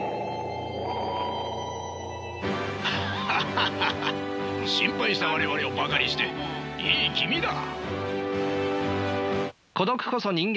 ハハハハ心配した我々をバカにしていい気味だ。